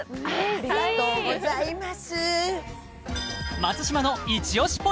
ありがとうございます嬉しい